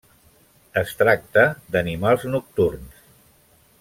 Es tracta d'animals nocturns.